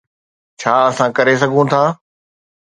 ڇا اسان ڪري سگهون ٿا؟